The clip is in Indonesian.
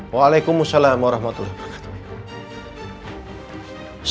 wa'alaikumussalam warahmatullahi wabarakatuh